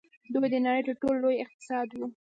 دوی د نړۍ تر ټولو لوی اقتصاد وو.